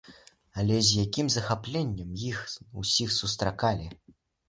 Але з якім захапленнем іх усіх сустракалі!